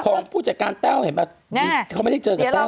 ผู้จัดการแต้วเห็นป่ะเขาไม่ได้เจอกับแต้ว